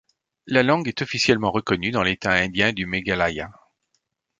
La langue est officiellement reconnue dans l’État indien du Meghalaya.